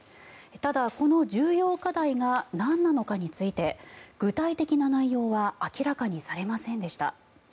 ただ、この重要課題が何なのかについて具体的な内容は明らかにされませんでした。